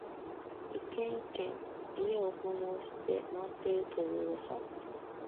一軒、一軒、家を訪問して回っていると言う噂